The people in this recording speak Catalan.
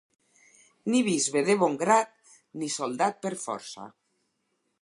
Ni bisbe de bon grat, ni soldat per força.